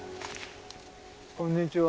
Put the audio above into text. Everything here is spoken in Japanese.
こんにちは。